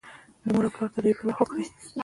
د مور او پلار تداوي پر وخت وکړئ.